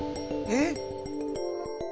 えっ！